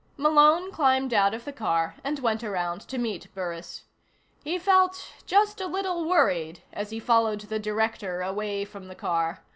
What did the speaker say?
Malone climbed out of the car and went around to meet Burris. He felt just a little worried as he followed the Director away from the car.